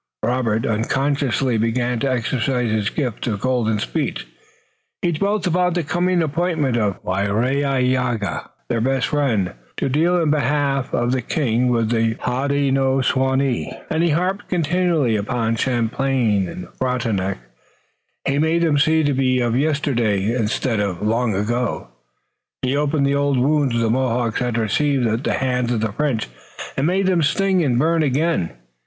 Robert unconsciously began to exercise his gift of golden speech. He dwelt upon the coming appointment of Waraiyageh, their best friend, to deal in behalf of the King with the Hodenosaunee, and he harped continually upon Champlain and Frontenac. He made them seem to be of yesterday, instead of long ago. He opened the old wounds the Mohawks had received at the hands of the French and made them sting and burn again.